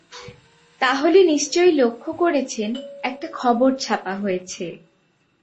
তাহলে নিশ্চয়ই লক্ষ করেছেন একটা খবর ছাপা হয়েছে।